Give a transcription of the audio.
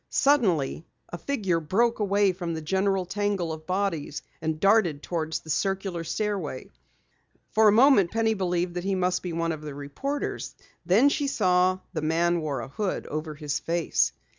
Suddenly a figure broke away from the general tangle of bodies and darted toward the circular stairway. For a moment Penny believed that he must be one of the reporters, then she saw that the man wore a hood over his face.